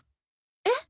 えっ？